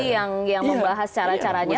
yang membahas cara caranya